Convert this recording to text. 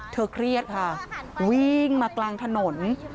เครียดค่ะวิ่งมากลางถนน